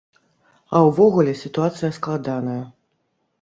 А ўвогуле, сітуацыя складаная.